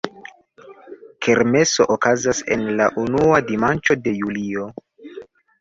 Kermeso okazas en la unua dimanĉo de julio.